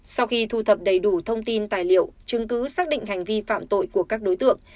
sau khi thu thập đầy đủ thông tin tài liệu chứng cứ xác định hành vi phạm tội của các đối tượng